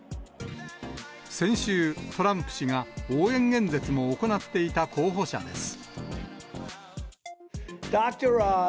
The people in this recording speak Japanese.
先週、トランプ氏が応援演説も行っていた候補者です。